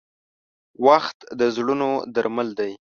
• وخت د زړونو درمل دی.